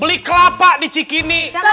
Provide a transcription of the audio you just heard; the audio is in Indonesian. beli kelapa di cikini